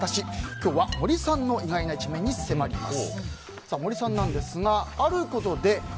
今日は森さんの意外な一面に迫ります。